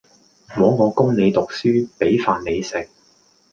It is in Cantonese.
枉我供你讀書，俾飯你食